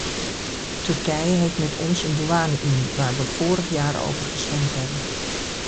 Turkije heeft met ons een douane-unie, waar we vorig jaar over gestemd hebben.